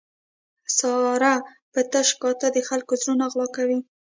ساره په تش کاته د خلکو زړونه غلا کوي.